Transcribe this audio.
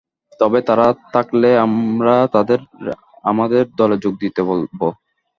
তবে তারা থাকলে আমরা তাদের আমাদের দলে যোগ দিতে বলব।